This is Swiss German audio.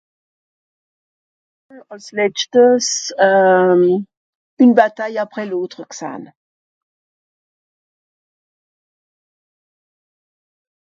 àls letschtes euh une bataille après l'autre gsahn